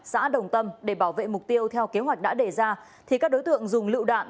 xã đồng tâm để bảo vệ mục tiêu theo kế hoạch đã đề ra thì các đối tượng dùng lựu đạn